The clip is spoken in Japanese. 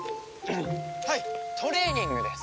はいトレーニングです！